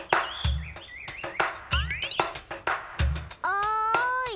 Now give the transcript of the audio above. おい！